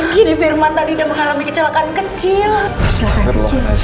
gini firman tadi gak mengalami kecelakaan kecil